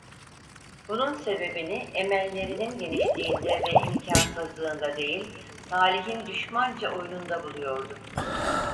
Bunun sebebini emellerinin genişliğinde ve imkânsızlığında değil, talihin düşmanca oyununda buluyordu.